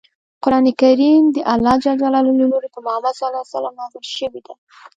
قران کریم د الله ج له لورې په محمد ص نازل شوی دی.